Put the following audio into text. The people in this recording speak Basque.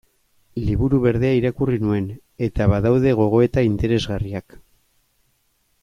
Liburu Berdea irakurri nuen, eta badaude gogoeta interesgarriak.